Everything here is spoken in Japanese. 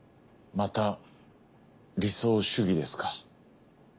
また理想主義ですか。